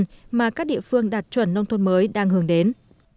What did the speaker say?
mà các địa phương đạt chuẩn nông thôn mới đang hướng đến